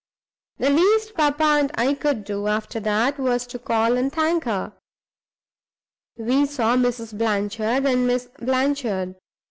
The least papa and I could do, after that, was to call and thank her. We saw Mrs. Blanchard and Miss Blanchard.